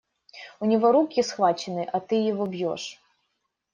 У него руки схвачены, а ты его бьешь.